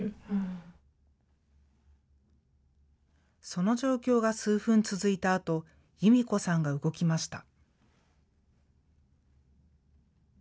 その状況が数分、続いたあと由美子さんが動きました。